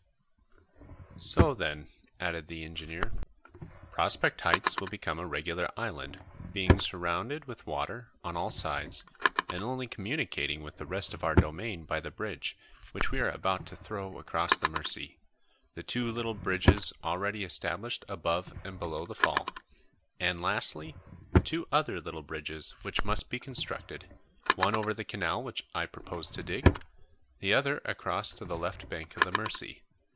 [Illustration: BUILDING THE BRIDGE] "So then," added the engineer, "Prospect Heights will become a regular island, being surrounded with water on all sides, and only communicating with the rest of our domain by the bridge which we are about to throw across the Mercy, the two little bridges already established above and below the fall; and, lastly, two other little bridges which must be constructed, one over the canal which I propose to dig, the other across to the left bank of the Mercy.